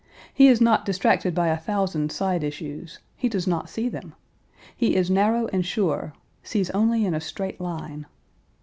He is not distracted by a thousand side issues; he does not see them. He is narrow and sure sees only in a straight line.